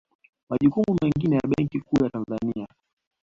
Majukumu mengine ya Benki Kuu ya Tanzania